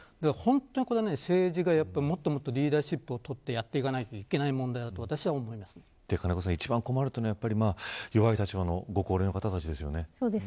政治がもっとリーダーシップをとってやっていかないといけない金子さん、一番困るところは弱い立場のご高齢の方ですよね。